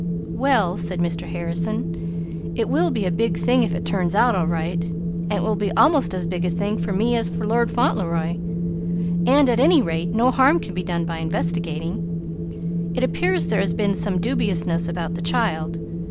"Well," said Mr. Harrison, "it will be a big thing if it turns out all right, and it will be almost as big a thing for me as for Lord Fauntleroy; and, at any rate, no harm can be done by investigating. It appears there has been some dubiousness about the child.